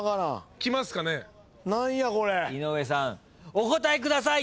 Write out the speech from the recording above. お答えください。